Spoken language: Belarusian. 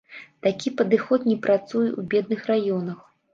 Такі падыход не працуе ў бедных раёнах.